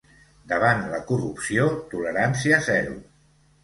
Davant la corrupció, tolerància zero.